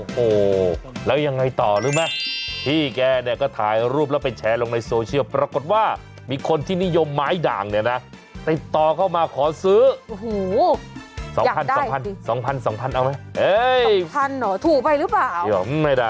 โอ้โหแล้วยังไงต่อรู้มะพี่แกเนี่ยก็ถ่ายรูปแล้วไปแชร์ลงในโซเชียลปรากฏว่ามีคนที่นิยมไม้ด่างเนี่ยนะ